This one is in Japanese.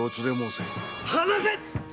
離せ！